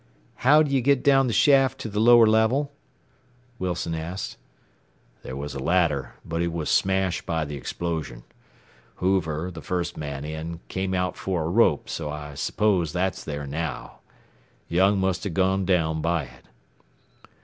"How do you get down the shaft to the lower level?" Wilson asked. "There was a ladder, but it was smashed by the explosion. Hoover, the first man in, came out for a rope, so I suppose that's there now. Young must have gone down by it.